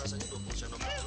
aduh mati gue penyelidik